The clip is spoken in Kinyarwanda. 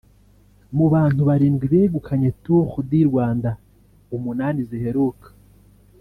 Mu bantu barindwi begukanye Tour du Rwanda umunani ziheruka